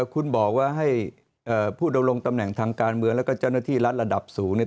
คุณบอกว่าให้ผู้ดำรงตำแหน่งทางการเมืองแล้วก็เจ้าหน้าที่รัฐระดับสูงเนี่ย